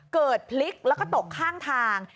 เกิดพลิกแล้วก็ตกข้างทาง